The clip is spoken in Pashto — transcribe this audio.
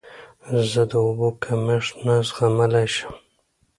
زه د اوبو کمښت نه زغملی شم.